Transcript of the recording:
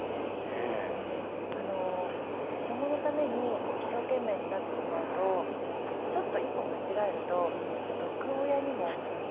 あの子どものために一生懸命になってしまうとちょっと一歩間違えると毒親にもなりかねないと思うんですよね。